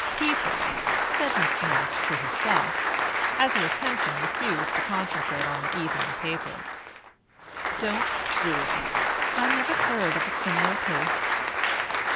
"People," said Miss Mapp to herself, as her attention refused to concentrate on the evening paper, "don't do it. I never heard of a similar case."